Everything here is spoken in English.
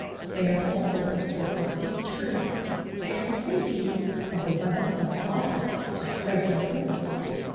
They are also of service in turning and indeed as a weapon of offence for striking boats.